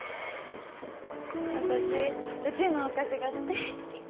私うちのお菓子が大好き。